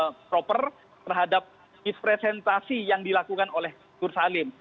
yang tidak proper terhadap ekspresentasi yang dilakukan oleh nur salim